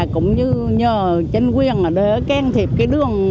cũng như nhờ chính quyền để can thiệp cái đường